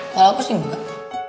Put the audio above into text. kalau aku sih enggak